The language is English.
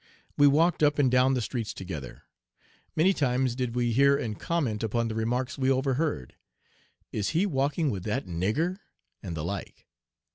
We walked up and down the streets together. Many times did we hear and comment upon the remarks we overheard: "Is he walking with that nigger?" and the like.